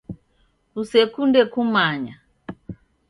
Kusekunde kumanya.